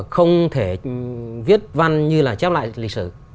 không thể viết văn như là chép lại lịch sử